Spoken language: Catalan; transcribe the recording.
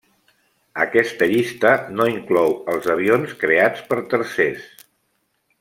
Aquesta llista no inclou els avions creats per tercers.